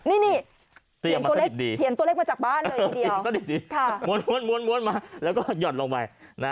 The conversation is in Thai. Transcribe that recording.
นี่นี่เขียนตัวเลขมาจากบ้านเงียบสดิบดีโม้นมาแล้วก็หย่อนลงไป